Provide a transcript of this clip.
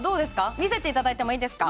見せていただいてもいいですか。